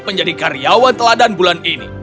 menjadi karyawan teladan bulan ini